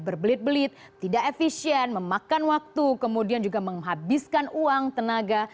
berbelit belit tidak efisien memakan waktu kemudian juga menghabiskan uang tenaga